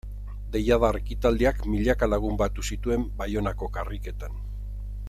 Deiadar ekitaldiak milaka lagun batu zituen Baionako karriketan.